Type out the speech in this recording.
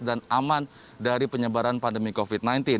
dan aman dari penyebaran pandemi covid sembilan belas